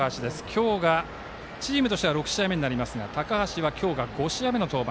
今日がチームとしては６試合になりますが高橋は今日が５試合目の登板。